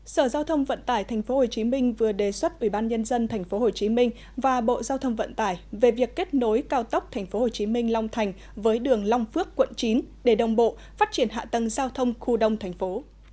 sở giao thông vận tải tp hcm vừa đề xuất ubnd tp hcm và bộ giao thông vận tải về việc kết nối cao tốc tp hcm long thành với đường long phước quận chín để đồng bộ phát triển hạ tầng giao thông khu đông thành phố